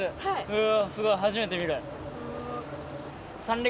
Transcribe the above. うおすごい初めて見る。